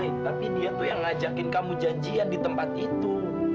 tapi dia tuh yang ngajakin kamu janjian di tempat itu